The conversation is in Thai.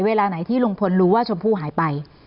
เวลาไหนที่ลุงพลรู้ว่าชมพู่หายไป